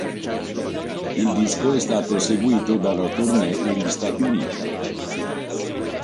Il disco è stato seguito da una tournée negli Stati Uniti.